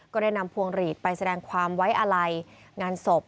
ก็ได้นำพวงหลีดไปแสดงความไว้อาลัยงานศพ